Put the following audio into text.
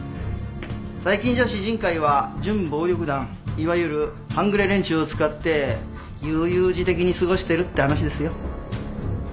最近じゃ獅靱会は準暴力団いわゆる半グレ連中を使って悠々自適に過ごしてるって話ですよ。